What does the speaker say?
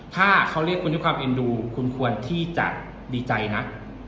ถ้าเขาเรียกคุณด้วยความเอ็นดูคุณควรที่จะดีใจนะ